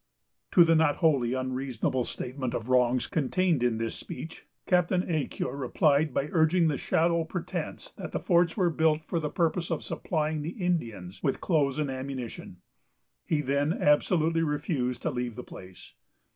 To the not wholly unreasonable statement of wrongs contained in this speech, Captain Ecuyer replied, by urging the shallow pretence that the forts were built for the purpose of supplying the Indians with clothes and ammunition. He then absolutely refused to leave the place.